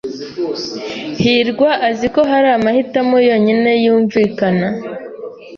hirwa azi ko hari amahitamo yonyine yumvikana.